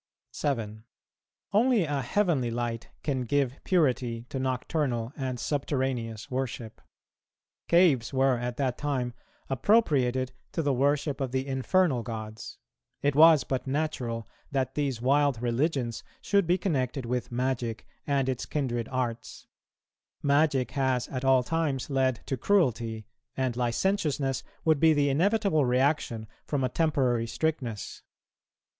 7. Only a heavenly light can give purity to nocturnal and subterraneous worship. Caves were at that time appropriated to the worship of the infernal gods. It was but natural that these wild religions should be connected with magic and its kindred arts; magic has at all times led to cruelty, and licentiousness would be the inevitable reaction from a temporary strictness.